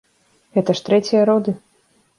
Гэта ж трэція роды.